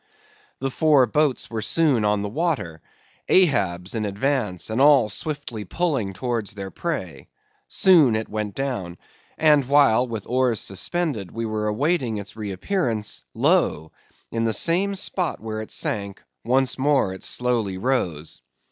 The four boats were soon on the water; Ahab's in advance, and all swiftly pulling towards their prey. Soon it went down, and while, with oars suspended, we were awaiting its reappearance, lo! in the same spot where it sank, once more it slowly rose.